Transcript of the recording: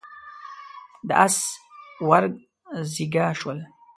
د اس ورږ زيږه شول.